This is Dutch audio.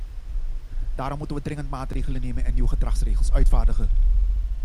Daarom moeten wij dringend maatregelen nemen en nieuwe gedragsregels uitvaardigen.